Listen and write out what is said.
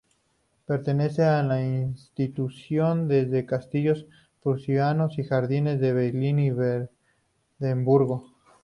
Pertenece a la institución de castillos prusianos y jardines de Berlín y Brandeburgo.